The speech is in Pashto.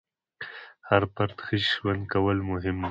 د هر فرد ښه ژوند کول مهم دي.